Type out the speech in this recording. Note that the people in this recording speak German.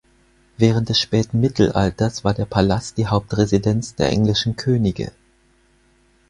Während des späten Mittelalters war der Palast die Hauptresidenz der englischen Könige.